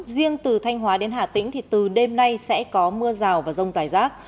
riêng từ thanh hóa đến hà tĩnh thì từ đêm nay sẽ có mưa rào và rông rải rác